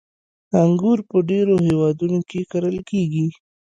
• انګور په ډېرو هېوادونو کې کرل کېږي.